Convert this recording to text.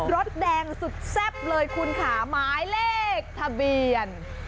รถแดงสุดแซ่บเลยคุณค่ะหมายเลขทะเบียน